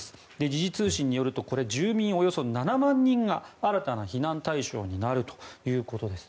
時事通信によると住民およそ７万人が新たな避難対象になるということです。